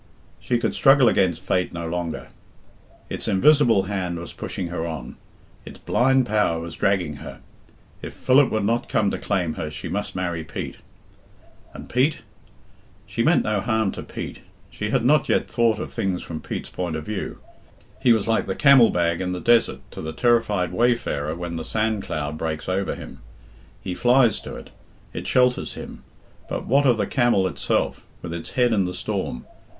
She could struggle against fate no longer. It's invisible hand was pushing her on. It's blind power was dragging her. If Philip would not come to claim her she must marry Pete. And Pete? She meant no harm to Pete. She had not yet thought of things from Pete's point of view. He was like the camel bag in the desert to the terrified wayfarer when the sand cloud breaks oyer him. He flies to it. It shelters him. But what of the camel itself, with its head in the storm?